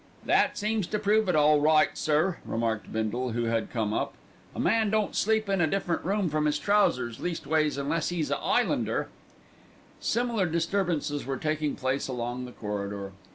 "That seems to prove it all right, sir," remarked Bindle, who had come up. "A man don't sleep in a different room from his trousers, leastways, unless 'e's a 'Ighlander." Similar disturbances were taking place along the corridor.